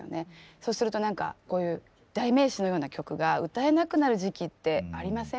そうすると何かこういう代名詞のような曲が歌えなくなる時期ってありません？